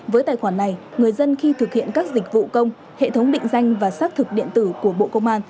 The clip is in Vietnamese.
với tài khoản này người dân khi thực hiện các dịch vụ công hệ thống định danh và xác thực điện tử của bộ công an